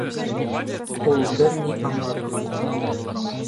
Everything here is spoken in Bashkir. Ул бер ни аңлатмай!